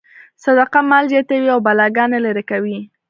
صدقه مال زیاتوي او بلاګانې لرې کوي.